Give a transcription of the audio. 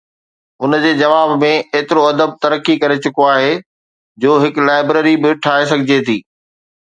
ان جي جواب ۾ ايترو ادب ترقي ڪري چڪو آهي جو هڪ لائبريري به ٺاهي سگهجي ٿي.